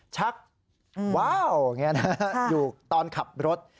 ชักว้าวอยู่ตอนขับรถ